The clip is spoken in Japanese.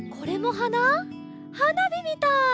はなびみたい！